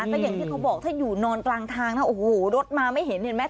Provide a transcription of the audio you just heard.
ก็อย่างที่เขาบอกถ้าอยู่นอนกลางทางนะโอ้โหรถมาไม่เห็นเห็นไหม